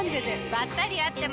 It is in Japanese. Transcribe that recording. ばったり会っても。